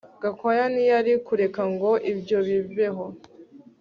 Gakwaya ntiyari kureka ngo ibyo bibeho